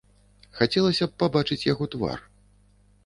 Хацелася б пабачыць яго твар.